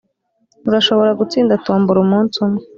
urashobora gutsinda tombora umunsi umwe.